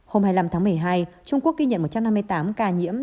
hôm hai mươi năm tháng một mươi hai trung quốc ghi nhận một trăm năm mươi tám ca nhiễm